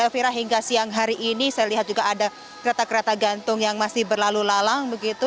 fira hingga siang hari ini saya lihat juga ada kereta kereta gantung yang masih berlalu lalang begitu